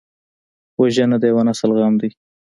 وژنه د یو نسل غم دی